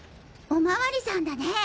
おまわりさんだね。